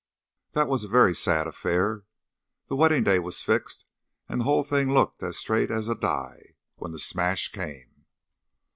That was a very sad affair. The wedding day was fixed, and the whole thing looked as straight as a die when the smash came."